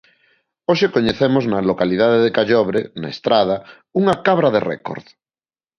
Hoxe coñecemos na localidade de Callobre, na Estrada, unha cabra de récord.